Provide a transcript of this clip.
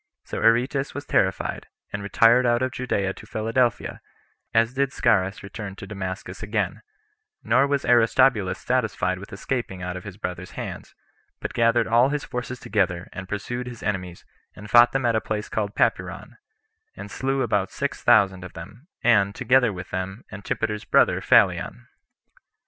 So Aretas was terrified, and retired out of Judea to Philadelphia, as did Scaurus return to Damascus again; nor was Aristobulus satisfied with escaping [out of his brother's hands,] but gathered all his forces together, and pursued his enemies, and fought them at a place called Papyron, and slew about six thousand of them, and, together with them Antipater's brother Phalion.